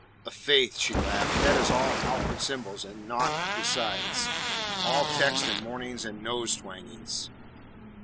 "A faith," she laughed, "that is all outward symbols and naught besides; all texts and mournings and nose twangings."